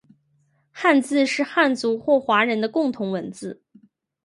汉字是汉族或华人的共同文字